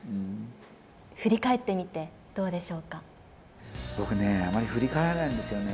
振り返ってみてどうでしょう僕ね、あまり振り返らないんですよね。